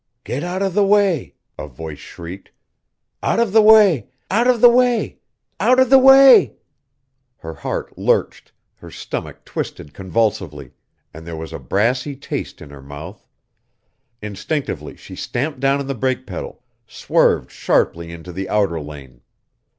"Get out of the way!" a voice shrieked "out of the way, out of the way, OUT OF THE WAY!" Her heart lurched, her stomach twisted convulsively, and there was a brassy taste in her mouth. Instinctively, she stamped down on the brake pedal, swerved sharply into the outer lane.